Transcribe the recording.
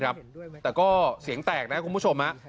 แต่ก็เสียงแตกนะคุณผู้ชม